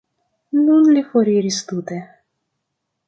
Nun li foriris tute.